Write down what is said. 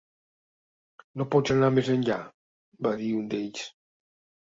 "No pots anar més enllà", va dir un d'ells.